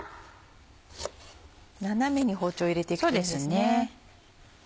斜めに包丁を入れていくんですね。